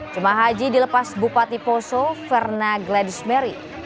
jemaah haji dilepas bupati poso verna gladismary